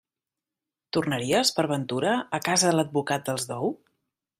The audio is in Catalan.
¿Tornaries, per ventura, a casa l'advocat dels Dou?